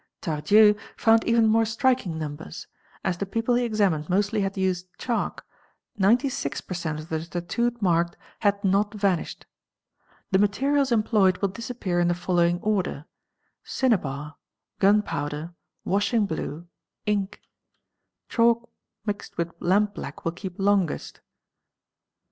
Tardieu™® found even more striking numbers ; as the people he examined mostly had used chalk, 96 % of the tattooed marks had not vanished. The materials employed will disappear in the following order, cinnabar, gun powder, washing blue, ink; chalk mixed with lampblack will keep longest.